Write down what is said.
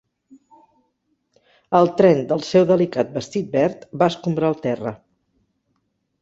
El tren del seu delicat vestit verd va escombrar el terra.